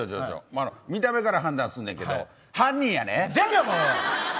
見た目から判断すんねんけど犯人やね。